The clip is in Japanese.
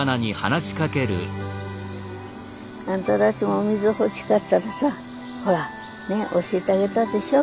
あんたたちもお水欲しかったらさほらね教えてあげたでしょ。